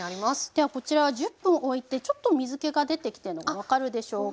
ではこちらは１０分おいてちょっと水けが出てきてるのが分かるでしょうか？